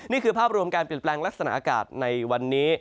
นี่คือภาพรวมการเปลี่ยนแปลงลักษณะอากาศในวันนี้